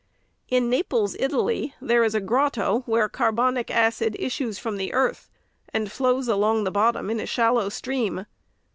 In Na ples, Italy, there is a grotto, where carbonic acid issues from the earth, arid flows along the bottom in a shallow stream.